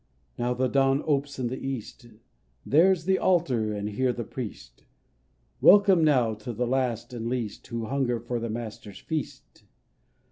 Now the dawn opes in the east, There's the altar, and here the priest ; Welcome now to the last and least Who hunger for the Master's feast